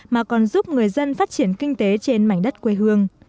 mà còn giúp người dân phát triển kinh tế trên mảnh đất quê hương